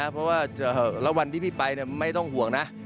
เพราะว่าแล้ววันที่พี่ไปไม่ต้องห่วงนะ